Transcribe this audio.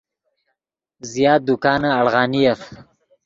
زیات دکانے اڑغانیف